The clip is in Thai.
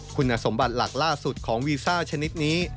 คุณสมบัติหลักล่าสุดของวีซ่าชนิดนี้